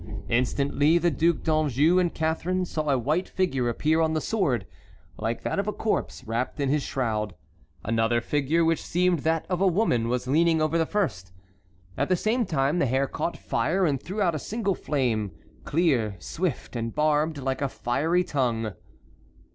Instantly the Duc d'Anjou and Catharine saw a white figure appear on the sword like that of a corpse wrapped in his shroud. Another figure, which seemed that of a woman, was leaning over the first. At the same time the hair caught fire and threw out a single flame, clear, swift, and barbed like a fiery tongue.